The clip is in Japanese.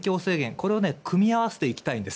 これを組み合わせていきたいんです。